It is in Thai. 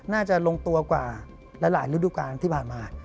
น่าจะลงตัวกว่าหลายฤดูการที่ผ่านมา